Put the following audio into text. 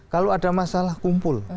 kalau ada masalah kumpul